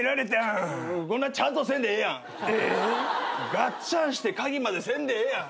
ガッチャンして鍵までせんでええやん。